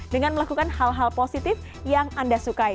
dengan melakukan hal hal positif yang anda sukai